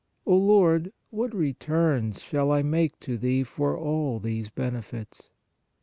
O Lord, what return shall I make to Thee for all these benefits?